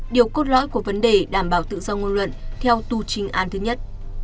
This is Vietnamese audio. điều cốt lõi của vấn đề đảm bảo tự do ngôn luận theo tù chính an thứ nhất